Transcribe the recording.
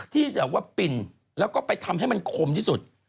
ที่แบบว่าปิ่นแล้วก็ไปทำให้มันคมที่สุด